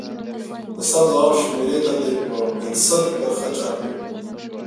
د سم ځواب شمیرې ته دې په پنسل کرښه چاپېر کړي.